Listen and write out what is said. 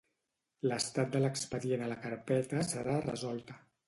L'estat de l'expedient a la carpeta serà resolta.